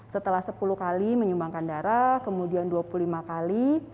setelah sepuluh kali menyumbangkan darah kemudian dua puluh lima kali